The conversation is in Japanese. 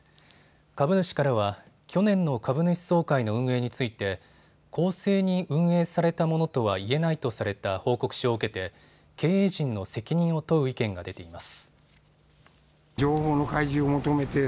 株主からは去年の株主総会の運営について公正に運営されたものとは言えないとされた報告書を受けて経営陣の責任を問う意見が出ています。